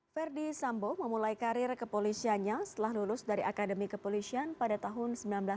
verdi sambo memulai karir kepolisiannya setelah lulus dari akademi kepolisian pada tahun seribu sembilan ratus sembilan puluh